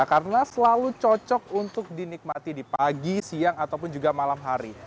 karena selalu cocok untuk dinikmati di pagi siang ataupun juga malam hari